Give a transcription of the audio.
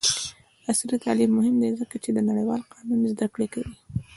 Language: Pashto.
عصري تعلیم مهم دی ځکه چې د نړیوال قانون زدکړه کوي.